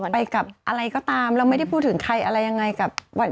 ไปกับอะไรก็ตามเราไม่ได้พูดถึงใครอะไรอย่างไร